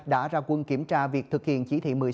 đã ra quân kiểm tra việc thực hiện chỉ thị một mươi sáu